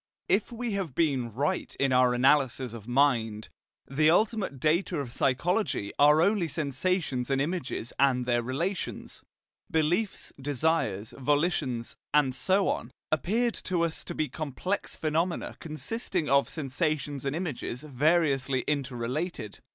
If we have been right in our analysis of mind, the ultimate data of psychology are only sensations and images and their relations. Beliefs, desires, volitions, and so on, appeared to us to be complex phenomena consisting of sensations and images variously interrelated.